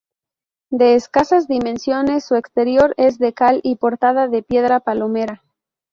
De escasas dimensiones, su exterior es de cal y portada de piedra palomera.